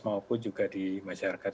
maupun juga di masyarakat